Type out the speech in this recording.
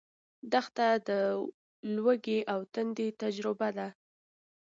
دښته د لوږې او تندې تجربه ده.